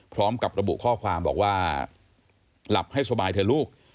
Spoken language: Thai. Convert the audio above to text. พร้อมกับระบุข้อความบอกว่าหลับให้สบายเถอะลูก